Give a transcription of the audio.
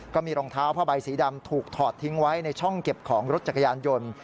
ก็มีรองเท้าผ้าใบสีดำถูกถอดทิ้งไว้ในช่องเก็บของรถจักรยานยนต์